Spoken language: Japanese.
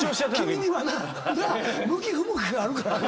君にはな向き不向きがあるから。